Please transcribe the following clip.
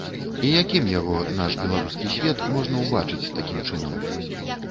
І якім яго, наш беларускі свет, можна ўбачыць такім чынам?